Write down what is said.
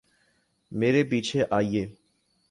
میرے پیچھے آییے